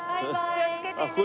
気をつけてね。